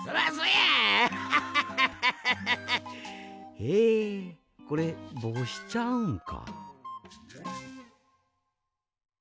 えこれぼうしちゃうんか。